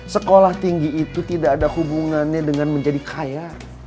sekolah tinggi itu tidak ada hubungannya dengan menjadi kaya